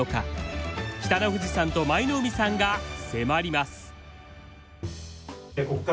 北の富士さんと舞の海さんが迫ります。